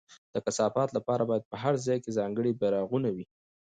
د کثافاتو لپاره باید په هر ځای کې ځانګړي بېرغونه وي.